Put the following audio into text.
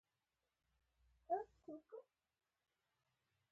دریمه څپه د صنعتي فعالیتونو محصول دی.